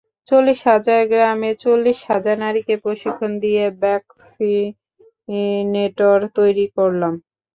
চল্লিশ হাজার গ্রামে চল্লিশ হাজার নারীকে প্রশিক্ষণ দিয়ে ভ্যাকসিনেটর তৈরি করলাম।